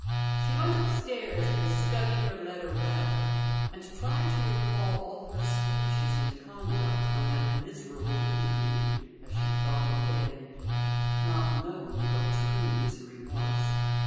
She went upstairs and studied her letter well, and tried to recall all her speeches and conduct on that miserable evening as she thought it then not knowing what true misery was.